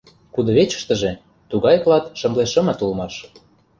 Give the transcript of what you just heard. Кудывечыштыже тугай клат шымле шымыт улмаш.